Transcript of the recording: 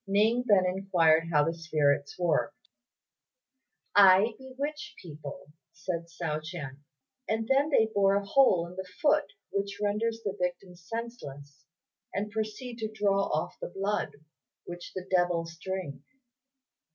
Ning then inquired how the spirits worked. "I bewitch people," said Hsiao ch'ien, "and then they bore a hole in the foot which renders the victim senseless, and proceed to draw off the blood, which the devils drink.